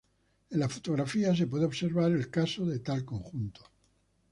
En la fotografía se puede observar el caso de tal conjunto.